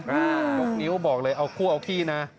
ยกนิ้วบอกเลยเอาคู่เอาขี้นะ